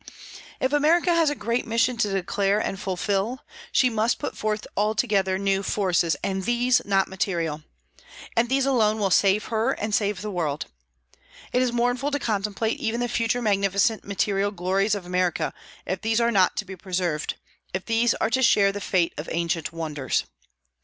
If America has a great mission to declare and to fulfil, she must put forth altogether new forces, and these not material. And these alone will save her and save the world. It is mournful to contemplate even the future magnificent material glories of America if these are not to be preserved, if these are to share the fate of ancient wonders.